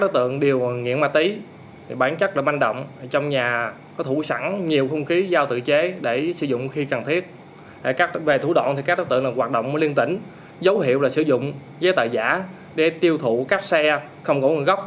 tuy nhiên dấu hiệu là sử dụng giấy tờ giả để tiêu thụ các xe không rõ nguồn gốc